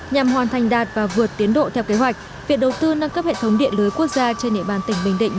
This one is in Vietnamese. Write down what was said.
nhằm hoàn thành đạt và vượt tiến độ theo kế hoạch việc đầu tư nâng cấp hệ thống điện lưới quốc gia trên địa bàn tỉnh bình định